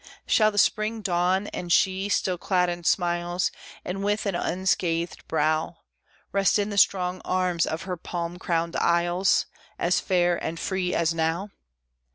Shall the spring dawn, and she, still clad in smiles, And with an unscathed brow, Rest in the strong arms of her palm crowned isles, As fair and free as now?